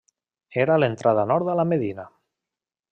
Era l'entrada nord a la medina.